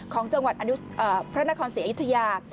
ของจังหวัดพระนครศรีอยุธยา